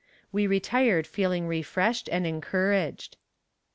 We retired feeling refreshed and encouraged.